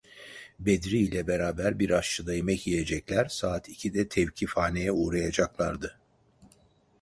Bedri ile beraber bir aşçıda yemek yiyecekler, saat ikide tevkifhaneye uğrayacaklardı.